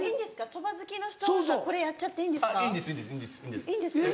そば好きの人がこれやっちゃっていいんですか？